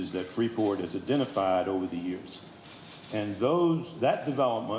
dan kemudian pendapatan akan diberikan